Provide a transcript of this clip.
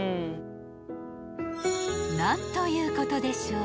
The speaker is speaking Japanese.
［何ということでしょう